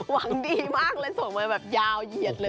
หวังดีมากเลยส่งมาแบบยาวเหยียดเลย